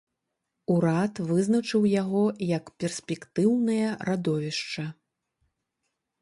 Урад вызначыў яго як перспектыўнае радовішча.